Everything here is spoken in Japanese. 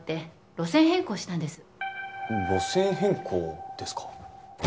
路線変更ですか？